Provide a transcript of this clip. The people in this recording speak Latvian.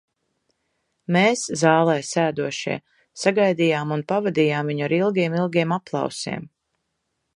Mēs, zālē sēdošie, sagaidījām un pavadījām viņu ar ilgiem, ilgiem aplausiem.